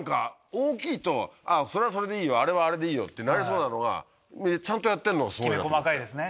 大きいとそれはそれでいいよあれはあれでいいよってなりそうなのがきめ細かいですね。